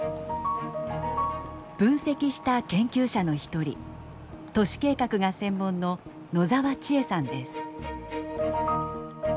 分析した研究者の一人都市計画が専門の野澤千絵さんです。